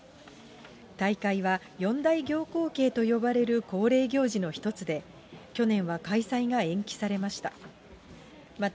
大会は四大行幸啓と呼ばれる恒例行事の一つで、去年は開催が延期されました。